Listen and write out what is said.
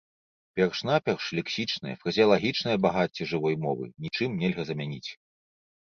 Перш-наперш лексічнае, фразеалагічнае багацце жывой мовы нічым нельга замяніць.